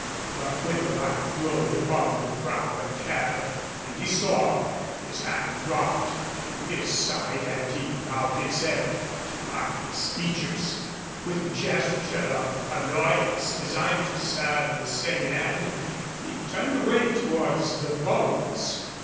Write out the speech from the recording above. But when the light glowed upon the brow and hair, and he saw, his hand dropped to his side and he bowed his head to hide his features. With a gesture of annoyance designed to serve the same end, he turned away towards the bulwarks.